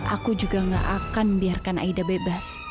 aku juga gak akan membiarkan aida bebas